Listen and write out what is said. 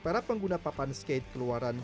para pengguna papan skate keluaran